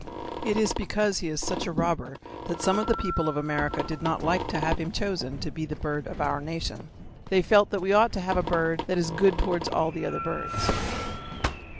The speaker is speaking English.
It is because he is such a robber that some of the people of America did not like to have him chosen to be the bird of our nation. They felt that we ought to have a bird that is good towards all the other birds.